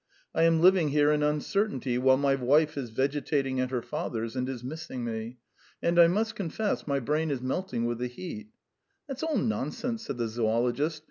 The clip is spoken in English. I am living here in uncertainty, while my wife is vegetating at her father's and is missing me. And I must confess my brain is melting with the heat." "That's all nonsense," said the zoologist.